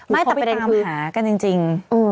ไม่แต่ประเด็นความค้ากันจริง